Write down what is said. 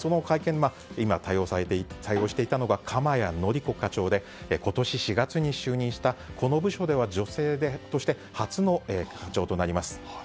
今対応していたのが鎌谷紀子課長で今年４月に就任したこの部署では女性として初の課長となります。